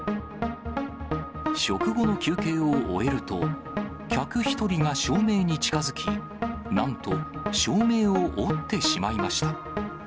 食後の休憩を終えると、客１人が照明に近づき、なんと照明を折ってしまいました。